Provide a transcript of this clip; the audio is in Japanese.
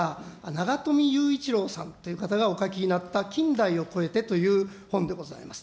ながとみゆういちろうさんという方がお書きになった、近代を超えてという本でございます。